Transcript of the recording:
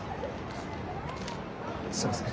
すいません。